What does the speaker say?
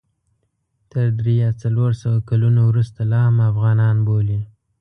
تر درې یا څلور سوه کلونو وروسته لا هم افغانان بولي.